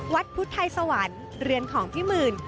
วัดพุทธไทยสวรรค์เรือนของพี่หมื่น